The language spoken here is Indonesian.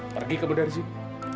pergi kamu dari sini